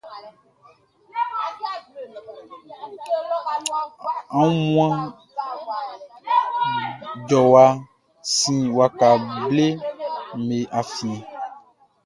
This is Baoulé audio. Aunmuan jɔwa sin waka bleʼm be afiɛn.